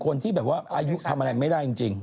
คนที่แบบว่าอายุทำอะไรไม่ได้จริง